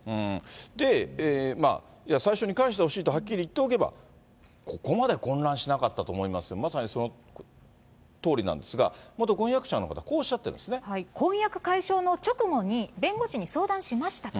で、最初に返してほしいとはっきり言っておけば、ここまで混乱しなかったと思いますよ、まさにそのとおりなんですが、元婚約者の方、こうおっしゃってるん婚約解消の直後に、弁護士に相談しましたと。